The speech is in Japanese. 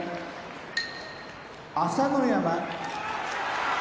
朝乃山